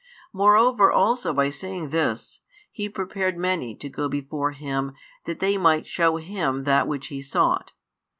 Moreover also by saying this, He prepared many to go before Him that they might shew Him that which He sought.